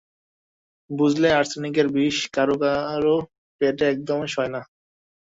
বুঝলে, আর্সেনিক এর বিষ, কারও কারও পেটে একদমই সয় না।